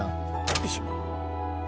よいしょ。